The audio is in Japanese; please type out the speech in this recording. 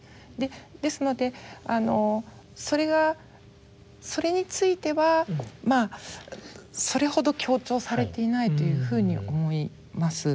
ですのでそれがそれについてはそれほど強調されていないというふうに思います。